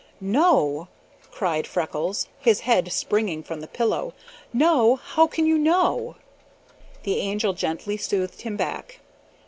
"Know!" cried Freckles, his head springing from the pillow. "Know! How can you know?" The Angel gently soothed him back.